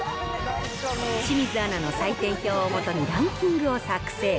清水アナの採点表をもとにランキングを作成。